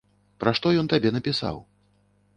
Пра што ён табе напісаў?